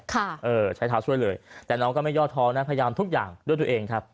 เออใช้เท้าช่วยเลยแต่น้องก็ไม่ย่อท้องนะพยายามทุกอย่างด้วยตัวเองครับ